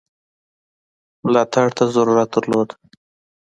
ملاتړ ته ضرورت درلود.